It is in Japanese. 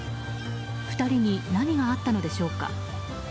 ２人に何があったのでしょうか。